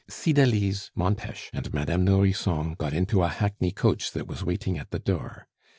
Cydalise, Montes, and Madame Nourrisson got into a hackney coach that was waiting at the door.